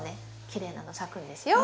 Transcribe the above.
きれいなの咲くんですよ。